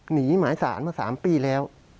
หนีหมายสารมา๓ปีแล้ว